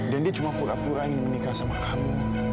dan dia cuma pura pura yang menikah sama kamu